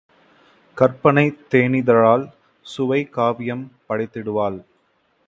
கற்பனைத் தேனிதழாள் சுவைக் காவியம் படைதிடுவாள்